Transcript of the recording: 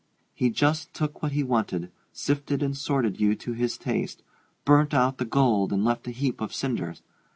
'He just took what he wanted sifted and sorted you to suit his taste. Burnt out the gold and left a heap of cinders.